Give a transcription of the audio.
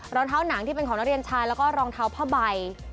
รองเท้าหนังที่เป็นของนักเรียนชายแล้วก็รองเท้าผ้าใบ